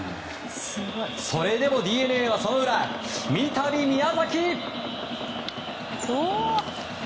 それでもＤｅＮＡはその裏三度、宮崎。